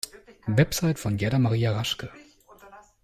Website von Gerda Maria Raschke